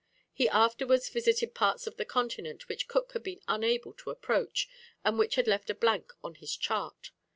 He afterwards visited various parts of the continent which Cook had been unable to approach, and which had left a blank on his chart.